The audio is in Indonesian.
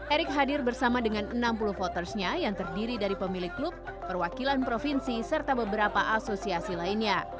erick hadir bersama dengan enam puluh votersnya yang terdiri dari pemilik klub perwakilan provinsi serta beberapa asosiasi lainnya